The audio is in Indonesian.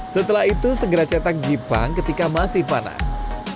setelah itu segera cetak gipang ketika masih panas